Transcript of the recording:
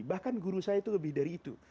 bahkan guru saya itu lebih dari itu